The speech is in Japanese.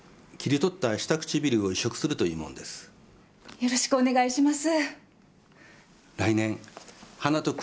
よろしくお願いします。